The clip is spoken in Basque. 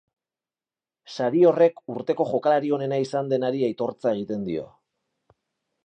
Sari horrek urteko jokalari onena izan denari aitortza egiten dio.